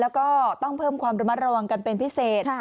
แล้วก็ต้องเพิ่มความระมัดระวังกันเป็นพิเศษ